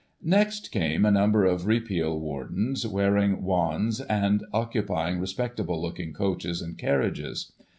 " Next came a number of Repeal wardens, bearing wands, and occupying respectable looking coaches and carriages.